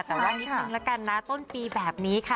แต่ว่านี้รากันนะต้นปีแบบนี้ค่ะ